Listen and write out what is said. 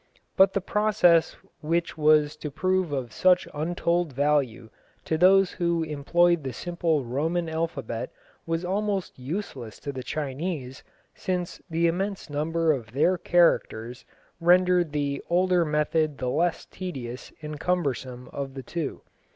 But the process which was to prove of such untold value to those who employed the simple Roman alphabet was almost useless to the Chinese, since the immense number of their characters rendered the older method the less tedious and cumbersome of the two.